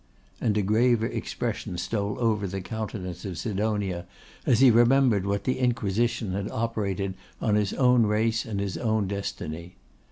And a graver expression stole over the countenance of Sidonia as he remembered what that Inquisition had operated on his own race and his own destiny.